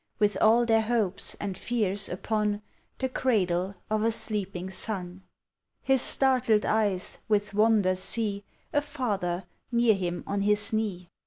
With all their hopes and fears, upon The cradle of a sleeping son. His startled eyes with wonder see A father near him on his knee, ABOUT CHILDREN.